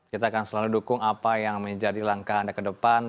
kita akan selalu dukung apa yang menjadi langkah anda ke depan